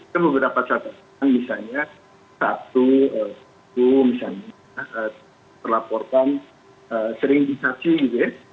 kita mendapatkan catatan misalnya satu misalnya terlaporkan sering disaksi